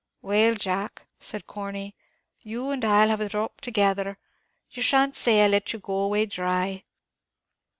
"Well, Jack," said Corney, "you and I 'll have a dhrop together; you shan't say I let you go away dhry."